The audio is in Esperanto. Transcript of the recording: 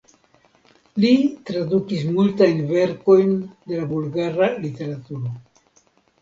Li tradukis multajn verkojn de la bulgara literaturo.